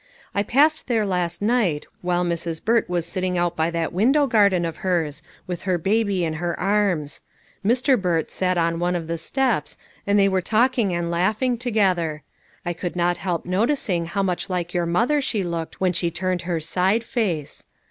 I passed there last night, while Mrs. Burt was sitting out by that window garden of hers, with her baby in her arms ; Mr. Burt sat on one of the steps, and they were talk ing and laughing together. I could not help noticing how much like your mother she looked when she turned her side face.